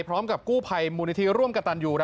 พร้อมกับกู้ภัยมูลนิธิร่วมกับตันยู